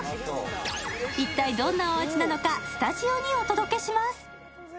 一体、どんなお味なのかスタジオにお届けします。